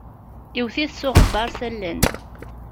Iwwet-it s uɣwebbaṛ s allen.